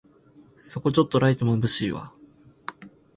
そこちょっとライトまぶしいわ